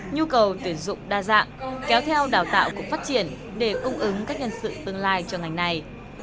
nhu cầu tuyển dụng đa dạng kéo theo đào tạo cũng phát triển để cung ứng các nhân sự tương lai cho ngành này